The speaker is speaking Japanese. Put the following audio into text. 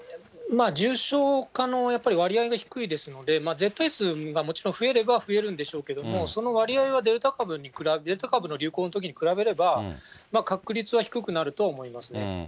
重症化のやっぱり割合が低いですので、絶対数がもちろん増えれば増えるんでしょうけれども、その割合はデルタ株の流行のときに比べれば、確率は低くなると思いますね。